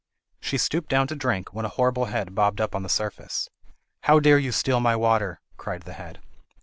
She stooped down to drink, when a horrible head bobbed up on the surface. "How dare you steal my water?" cried the head.